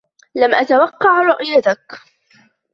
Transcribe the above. لم اتوقع رویتک.